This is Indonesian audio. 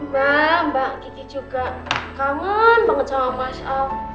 mbak mbak kiki juga kangen banget sama mas om